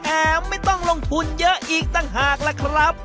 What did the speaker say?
ไม่ต้องลงทุนเยอะอีกต่างหากล่ะครับ